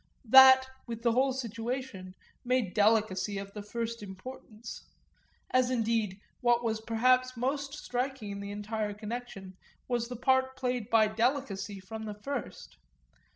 That, with the whole situation, made delicacy of the first importance; as indeed what was perhaps most striking in the entire connection was the part played by delicacy from the first.